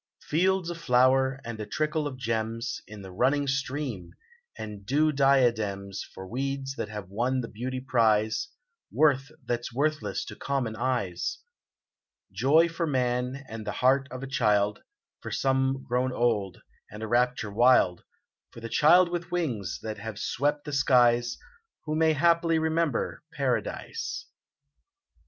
Fields a flower, and a trickle of gems In the running stream, and dew diadems For weeds that have won the beauty prize — Worth that's worthless to common eyes ! Joy for man, and the heart of a child For some grown old, and a rapture wild For the child with wings that have swept the skies, Who may haply remember Paradise